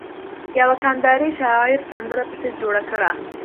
يوه کنداري شاعر سندره پسې جوړه کړه.